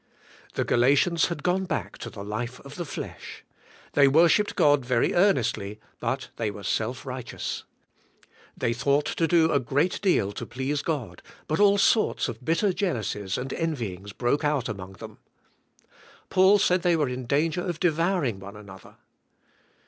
The Galatians had gone back to the life of the flesh. They worshipped God very earnestly but they were self righteous. They thought to do a great deal to please God but all sorts of bitter jealousies and en vyings broke out among them. Paul said they were in danger of devouring one another.